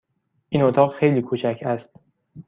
این اتاق خیلی کوچک است.